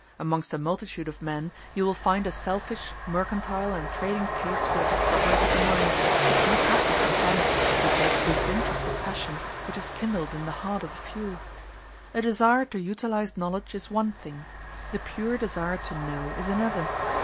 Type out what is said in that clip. Amongst a multitude of men you will find a selfish, mercantile, and trading taste for the discoveries of the mind, which must not be confounded with that disinterested passion which is kindled in the heart of the few. A desire to utilize knowledge is one thing; the pure desire to know is another.